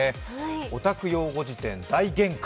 「オタク用語辞典大限界」